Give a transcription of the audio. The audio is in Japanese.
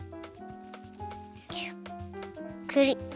ゆっくり。